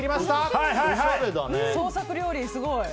創作料理、すごい！